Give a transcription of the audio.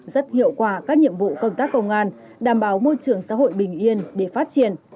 rất hiệu quả các nhiệm vụ công tác công an đảm bảo môi trường xã hội bình yên để phát triển